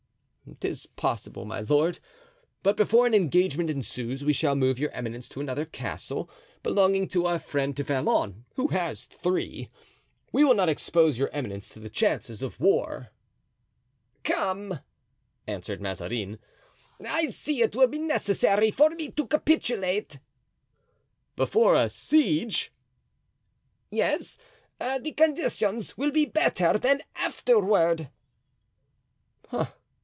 "'Tis possible; my lord; but before an engagement ensues we shall move your eminence to another castle belonging to our friend Du Vallon, who has three. We will not expose your eminence to the chances of war." "Come," answered Mazarin, "I see it will be necessary for me to capitulate." "Before a siege?" "Yes; the conditions will be better than afterward."